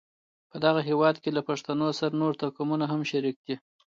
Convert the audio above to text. په دغه هېواد کې له پښتنو سره نور توکمونه هم شریک دي.